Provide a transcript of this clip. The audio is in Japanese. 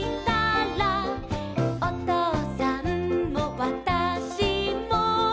「おとうさんもわたしも」